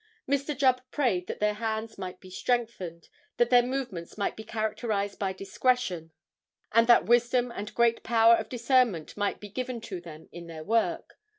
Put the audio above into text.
Mr. Jubb prayed that their hands might be strengthened, that their movements might be characterized by discretion, and that wisdom and great power of discernment might be given to them in their work.